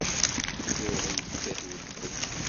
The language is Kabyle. Tuɣ yekkat wedfel.